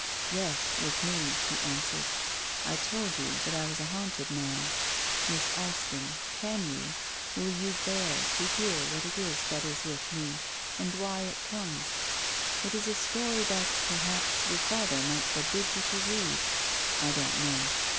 •' Yes, with me, " he answered. " I told you that I was a haunted man. Miss Alston, can you, will you bear to hear what it is that is with me, and why it comes. It is a story that, perhaps, your father might forbid you to read. I don't know.